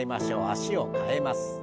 脚を替えます。